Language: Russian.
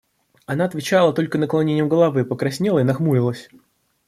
Она отвечала только наклонением головы, покраснела и нахмурилась.